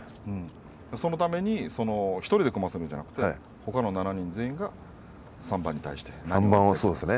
そのために１人で組ませるんじゃなくてほかが全員が３番はそうですね。